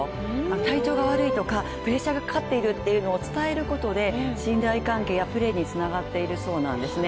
体調が悪いとか、プレッシャーがかかっているということを伝えることで信頼関係やプレーにつながっているそうなんですね。